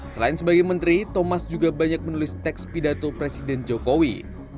selain sebagai menteri thomas juga banyak menulis teks pidato presiden jokowi